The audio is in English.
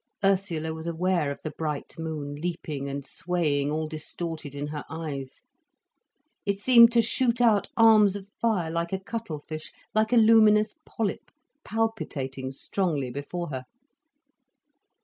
Ursula was aware of the bright moon leaping and swaying, all distorted, in her eyes. It seemed to shoot out arms of fire like a cuttle fish, like a luminous polyp, palpitating strongly before her.